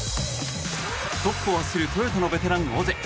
トップを走るトヨタのベテラン、オジエ。